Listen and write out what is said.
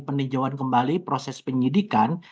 peninjauan kembali proses penyidikan